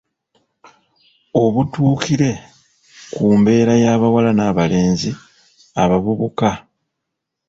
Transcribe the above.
Obutuukire ku mbeera y’abawala n’abalenzi abavubuka